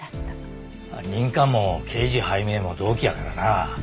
任官も刑事拝命も同期やからなあ。